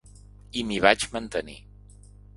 I m’hi vaig mantenir.